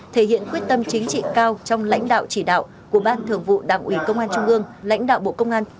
thể hiện quyết tâm chính trị cao trong lãnh đạo chỉ đạo của ban thường vụ đảng ủy công an trung ương lãnh đạo bộ công an